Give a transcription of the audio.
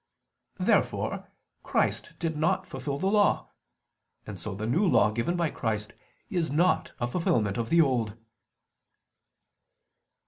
Therefore Christ did not fulfil the Law: and so the New Law given by Christ is not a fulfilment of the Old.